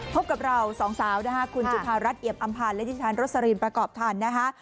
พบกับเรา๒สาวคุณจุภารัฐเหยียบอำพาลและจิตฐานโรศลีนประกอบทันนะคะ